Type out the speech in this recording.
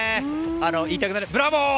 言いたくなる、ブラボー！